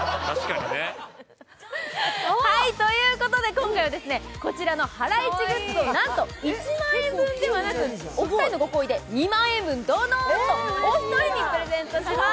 今回はこちらのハライチグッズをなんと１万円分ではなくお二人のご厚意でドドーンとお一人にプレゼントします。